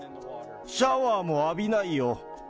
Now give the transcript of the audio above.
シャワーも浴びないよ。